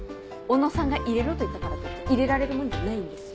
小野さんが「入れろ」と言ったからといって入れられるもんじゃないんです。